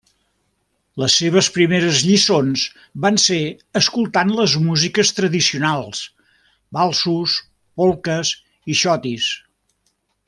Les seves primeres lliçons van ser escoltant les músiques tradicionals: valsos, polques i xotis.